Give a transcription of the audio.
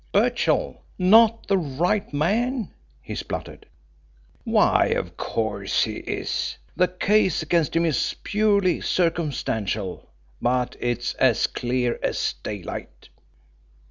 "Birchill not the right man?" he spluttered. "Why, of course he is. The case against him is purely circumstantial, but it's as clear as daylight."